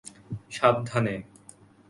সাবধানে।